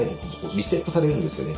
リセットされるんですよね